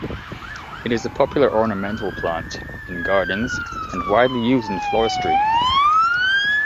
It is a popular ornamental plant in gardens, and widely used in floristry.